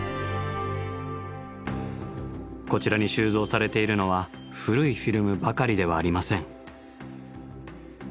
こちらに収蔵されているのは古いフィルムばかりではありません。